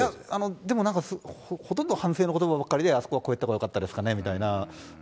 でもほとんど反省のことばばっかりで、あそこはこうやったほうがよかったですかねみたいな。